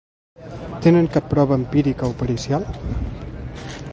Tenen cap prova empírica o pericial?